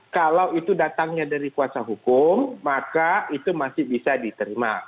kalau itu datangnya dari kuasa hukum maka itu masih bisa diterima